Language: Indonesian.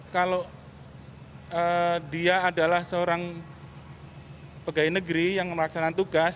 kalau dia adalah seorang pegawai negeri yang melaksanakan tugas